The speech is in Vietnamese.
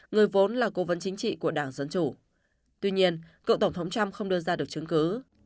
người vốn là cố vấn chính trị của đảng dân chủ tuy nhiên cựu tổng thống trump không đưa ra được chứng cứ